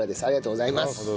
ありがとうございます。